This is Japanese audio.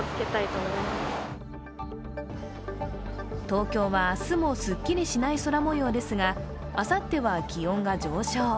東京は明日もすっきりしない空もようですがあさっては気温が上昇。